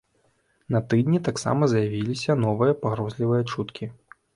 На тыдні таксама з'явіліся новыя пагрозлівыя чуткі.